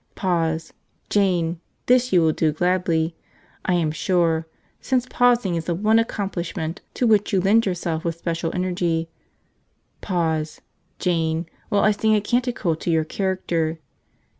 Pause, Jane, this you will do gladly, I am sure, since pausing is the one accomplishment to which you lend yourself with special energy, pause, Jane, while I sing a canticle to your character.